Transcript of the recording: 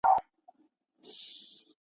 میرویس خان په اصفهان کې تر جدي څارنې لاندې و.